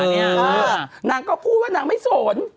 นางก็พูดว่านางไม่สน